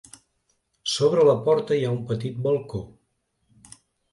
Sobre la porta hi ha un petit balcó.